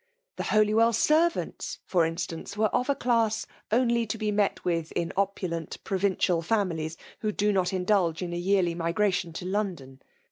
The Holywell servants, for instance,' were of a class only to be met with in opulent'^ provincial fitmilies, who do not indulge in yearly migration to London.